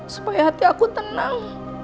supaya hati aku tenang